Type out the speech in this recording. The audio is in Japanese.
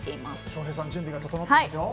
翔平さん、準備が整っていますよ。